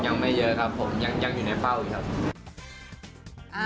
ยังไม่เยอะครับผมยังอยู่ในเป้าอยู่ครับ